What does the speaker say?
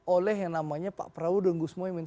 oleh yang namanya pak prabowo dan gus mohaimin